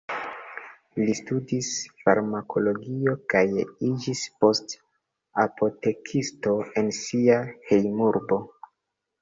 Li studis farmakologio kaj iĝis poste apotekisto en sia hejmurbo.